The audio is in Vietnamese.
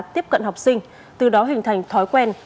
tiếp cận học sinh từ đó hình thành thói quen